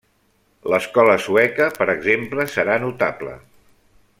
L'escola sueca, per exemple, serà notable.